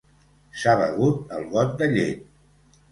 S'ha begut el got de llet